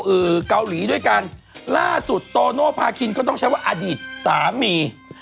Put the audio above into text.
เกาหลีด้วยกันล่าสุดโตโนภาคินก็ต้องใช้ว่าอดีตสามี